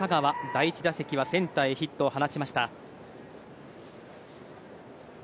第１打席はセンターへヒットを放ちました。